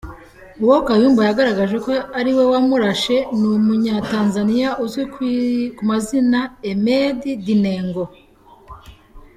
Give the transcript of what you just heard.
Uwo Kayumba yagaragaje ko ari we wamurashe ni Umunyatanzaniya uzwi ku mazina Emedi Dinengo.